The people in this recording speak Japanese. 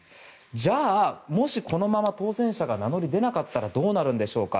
じゃあ、もしこのまま当選者が名乗り出なかったらどうなるんでしょうか。